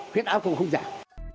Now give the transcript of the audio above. huyết áp cũng không giảm